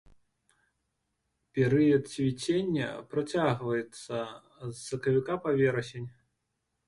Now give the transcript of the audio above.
Перыяд цвіцення працягваецца з сакавіка па верасень.